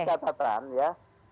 dengan catatan ya